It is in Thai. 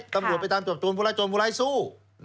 ตำรวจไปตามจับโจรผู้ร้ายโจรผู้ร้ายสู้